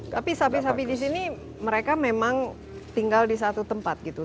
tapi sapi sapi di sini mereka memang tinggal di satu tempat gitu